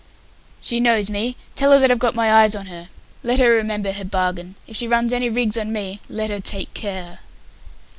"She knows me. Tell her that I've got my eyes on her. Let her remember her bargain. If she runs any rigs on me, let her take care."